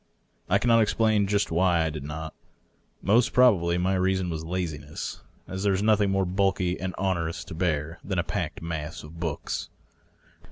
I cannot explain just why I did not ; most probably my reason was lazi ness, as there is nothing more bulky and onerous to bear than a packed mass of books.